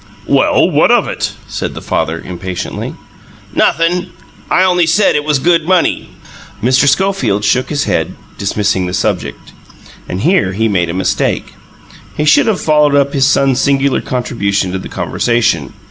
"Well, what of it?" said the father, impatiently. "Nothin'. I only said it was good money." Mr. Schofield shook his head, dismissing the subject; and here he made a mistake: he should have followed up his son's singular contribution to the conversation.